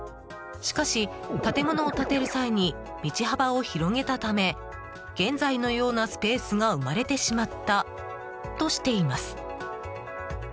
しかし、建物を建てる際に道幅を広げたため現在のようなスペースが生まれてしまったとしています。